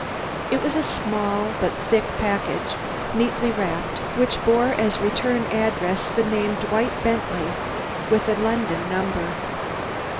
It was a small but thick package, neatly wrapped, which bore as return address the name Dwight Bentley, with a London number.